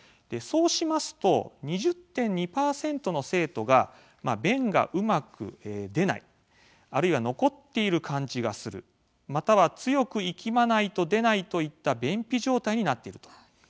そうしますと２０．２％の生徒が便がうまく出ない残っている感じがするとかまた、強く息まないと出ないといった便秘状態になっていると。